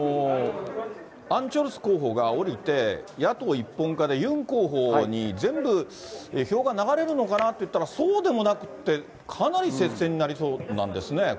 アン・チョルス候補が降りて、野党一本化で、ユン候補に全部、票が流れるのかなといったら、そうでもなくて、かなり接戦になりそうなんですね。